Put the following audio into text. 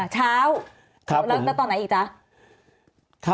เช้าแล้วตอนไหนอีก